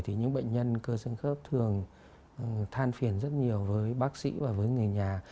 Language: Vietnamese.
thì những bệnh nhân cơ sân khớp thường than phiền rất nhiều với bác sĩ và với người nhà